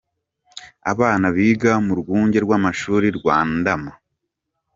Abana biga mu Rwunge rw'amashuri rwa Ndama .